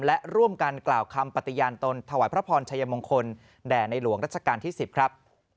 และร่วมกันกล่าวคำปฏิญาณตนถวายพระพรชัยมงคลแด่ในหลวงรัชกาลที่๑๐ครับ